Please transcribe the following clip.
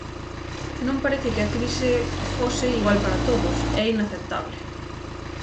Non parece que a crise fose igual para todos, é inaceptable.